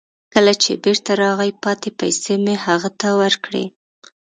کله چې بیرته راغی، پاتې پیسې مې هغه ته ورکړې.